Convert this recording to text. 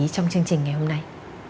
trong chương trình ngày hôm nay